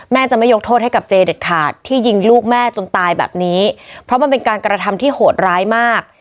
จะไม่ยกโทษให้กับเจเด็ดขาดที่ยิงลูกแม่จนตายแบบนี้เพราะมันเป็นการกระทำที่โหดร้ายมาก